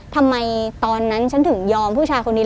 ทำไมตอนนั้นฉันถึงยอมผู้ชายคนนี้